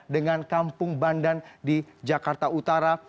dengan kampung bandan di jakarta utara